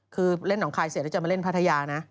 คือเล่นหนองคายเสร็จแล้วจะมาเล่นพัทยานะ